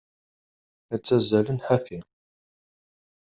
La ttazzalen ḥafi.